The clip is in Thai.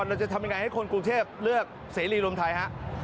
เราจะทำยังไงให้คนกรุงเทพเลือกเสรีรวมไทยฮะ